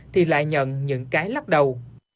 thì lại nhận những cái lắc đầu